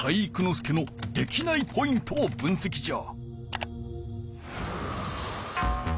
介のできないポイントを分せきじゃ。